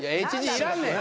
いらんねん。